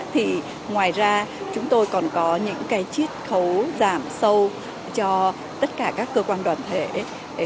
thì ngoài ra chúng tôi còn có những cái chiết khấu giảm sâu cho tất cả các cơ quan đoàn thể